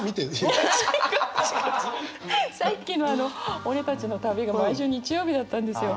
さっきの「俺たちの旅」が毎週日曜日だったんですよ。